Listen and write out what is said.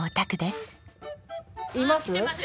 います？